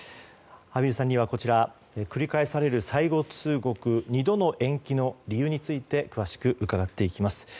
畔蒜さんには、こちら繰り返される最後通告２度の延期の理由について詳しく伺っていきます。